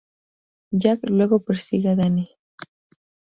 Jack luego persigue a Danny.